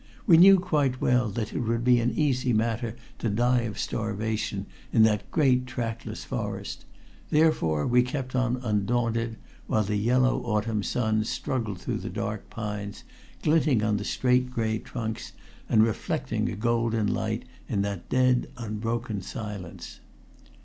We knew quite well that it would be an easy matter to die of starvation in that great trackless forest, therefore we kept on undaunted, while the yellow autumn sun struggled through the dark pines, glinting on the straight gray trunks and reflecting a golden light in that dead unbroken silence.